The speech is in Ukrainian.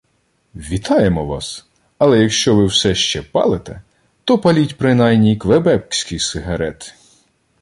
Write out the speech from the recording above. Вітаємо вас! Але якщо ви все ще палите, то паліть, принаймні, квебекські сигарети»